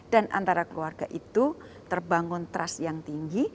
dan antara keluarga itu terbangun trust yang tinggi